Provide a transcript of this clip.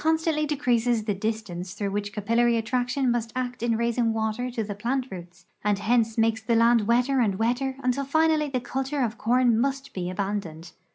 'stantly decreases the distance through which capillary attraction must act in raising water to the plant roots, and hence makes the land wetter and wetter until finally the culture of corn must be abandoned.